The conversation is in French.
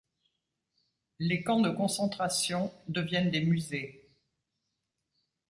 Les camps de concentration deviennent des musées.